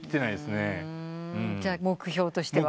じゃあ目標として。